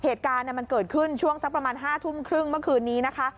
เหตุการณ์มันเกิดขึ้นช่วงสักประมาณ๕ทุ่มครึ่งเมื่อคืนนี้นะคะ